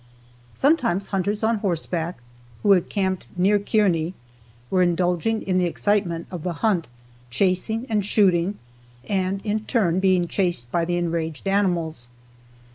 Sometimes hunters on horseback, who had camped near Kearney, were indulging in the excitement of the hunt, chasing and shooting, and in turn being chased by the enraged animals.